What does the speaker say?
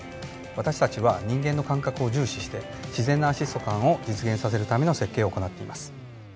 私たちは人間の感覚を重視して自然なアシスト感を実現させるための設計を行っています。